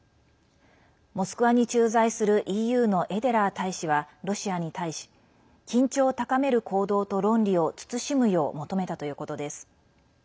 モスクワに駐在する、ＥＵのエデラー大使はロシアに対し緊張を高める行動と論理を慎むよう求めたということです。